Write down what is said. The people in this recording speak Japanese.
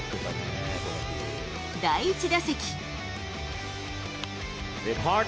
第１打席。